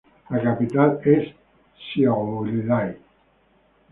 La capital es Šiauliai.